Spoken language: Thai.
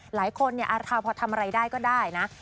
หลายคนพอทำอะไรได้ก็ได้นะ